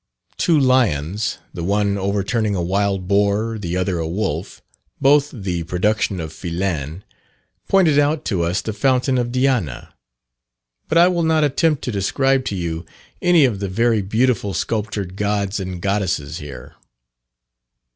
Two lions, the one overturning a wild boar, the other a wolf, both the production of Fillen, pointed out to us the fountain of Diana. But I will not attempt to describe to you any of the very beautiful sculptured gods and goddesses here.